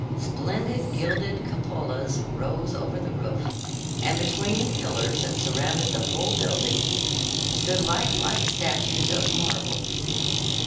Splendid gilded cupolas rose over the roof, and between the pillars that surrounded the whole building stood lifelike statues of marble.